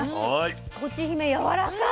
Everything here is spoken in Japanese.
とちひめやわらかい。